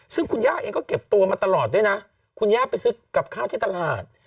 ซึ่งคุณย่าเองก็เก็บตัวมาตลอดด้วยนะคุณย่าไปซื้อกับข้าวที่ตลาด